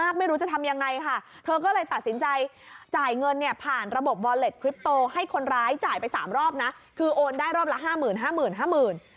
คนร้ายจ่ายไปสามรอบนะคือโอนได้รอบละห้าหมื่นห้าหมื่นห้าหมื่น